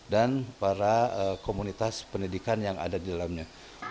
dan para komunitas pendidikan yang ada di dalamnya